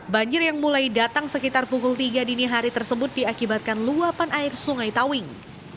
banjir yang mulai datang sekitar pukul tiga dini hari tersebut diakibatkan luapan air sungai tawing